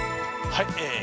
はい。